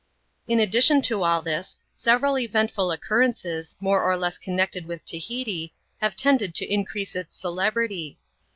In addition to all this, several eventful occurrences, more or less connected with Tahiti, have tended to increase its celebrity.